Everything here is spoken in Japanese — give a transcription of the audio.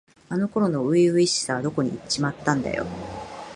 あの頃の初々しさはどこにいっちまったんだよ。